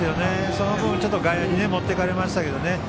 その分、ちょっと外野に持っていかれましたけどね。